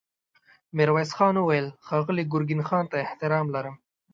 ميرويس خان وويل: ښاغلي ګرګين خان ته احترام لرم.